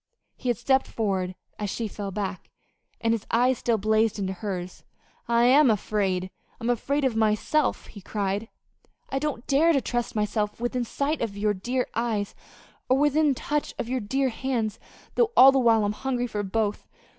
He had stepped forward as she fell back, and his eyes still blazed into hers. "I am afraid I'm afraid of myself," he cried. "I don't dare to trust myself within sight of your dear eyes, or within touch of your dear hands though all the while I'm hungry for both.